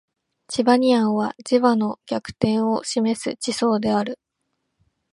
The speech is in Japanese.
チバニアンは磁場の逆転を示す地層である